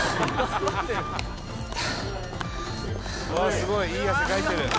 すごい！いい汗かいてる。